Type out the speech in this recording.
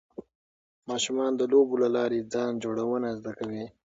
ماشومان د لوبو له لارې ځان جوړونه زده کوي.